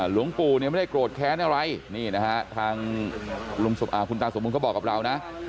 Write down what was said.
หลวงปู่เนี่ยไม่ได้โกรธแค้นอะไรนี่นะฮะทางคุณตาสมบูเขาบอกกับเรานะ